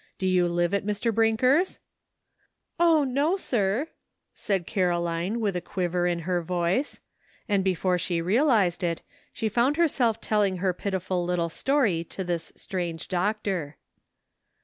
Do you live at Mr. Brinker's?" " O, no, sii !" said Caroline, with a quiver in her voice, and before she realized it, she found 136 A TRYING POSITION. herself telling her pitiful little story to this strange doctor.